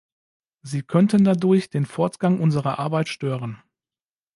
Sie könnten dadurch den Fortgang unserer Arbeit stören.